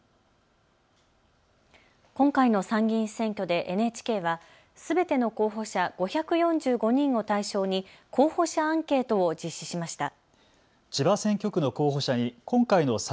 今回の参議院選挙でＮＨＫはすべての候補者５４５人を対象に候補者アンケートを実施しました。